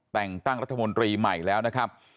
แต่งตั้งรัฐมนตรีใหม่แล้วนะครับ